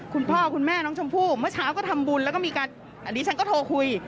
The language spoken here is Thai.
คุณพ่อคุณแม่น้องชมพู่เมื่อเช้าก็ทำบุญแล้วก็มีการอันนี้ฉันก็โทรคุย